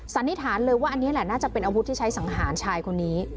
สันนิษฐานเลยว่าอันนี้แหละน่าจะเป็นอาวุธที่ใช้สังหารชายคนนี้